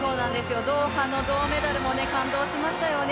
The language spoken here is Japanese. ドーハの銅メダルも感動しましたよね。